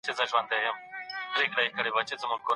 پر مېرمنو باندي د علم زده کړه واجبه ده.